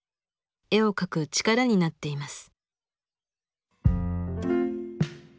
絵を描く力になっています。